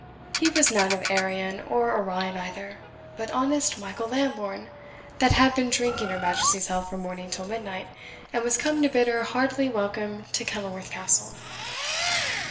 he was none of Arion or Orion either, but honest Mike Lambourne, that had been drinking her Majesty's health from morning till midnight, and was come to bid her heartily welcome to Kenilworth Castle."